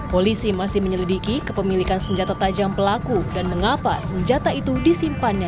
polisi masih menyelidiki kepemilikan senjata tajam pelaku dan mengapa senjata itu disimpannya